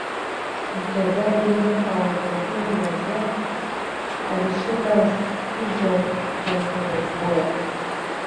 mchezaji nyota wa Jamhuri ya Czech alishinda tuzo ya mchezaji bora